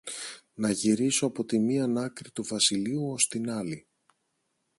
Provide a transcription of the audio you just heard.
να γυρίσω από τη μίαν άκρη του βασιλείου ως την άλλη